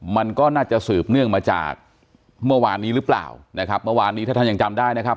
มันก็น่าจะสืบเนื่องมาจากเมื่อวานนี้หรือเปล่านะครับเมื่อวานนี้ถ้าท่านยังจำได้นะครับ